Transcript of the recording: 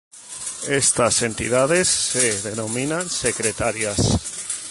Estas entidades son denominadas Secretarías.